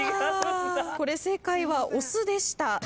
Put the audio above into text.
これ正解はお酢でした。